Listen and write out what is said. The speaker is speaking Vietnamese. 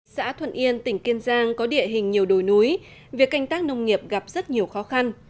xã thuận yên tỉnh kiên giang có địa hình nhiều đồi núi việc canh tác nông nghiệp gặp rất nhiều khó khăn